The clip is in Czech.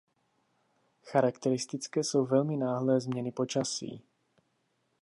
Charakteristické jsou velmi náhlé změny počasí.